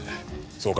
そうか。